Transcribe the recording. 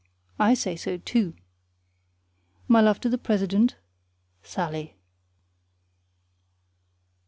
I say so, too. My love to the president, SALLIE.